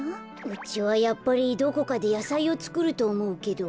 うちはやっぱりどこかでやさいをつくるとおもうけど。